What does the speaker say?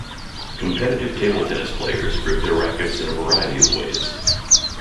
Competitive table tennis players grip their rackets in a variety of ways.